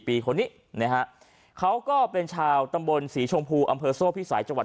ปีคนนี้นะฮะเขาก็เป็นชาวตำบลศรีชมพูอำเภอโซ่พิสัยจังหวัด